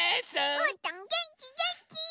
うーたんげんきげんき！